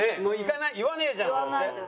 言わねえじゃんと思って？